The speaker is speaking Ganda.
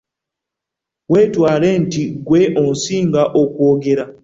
Weetwale nti ggwe osinga okwogera.